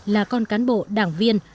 là con cán bộ đảng viên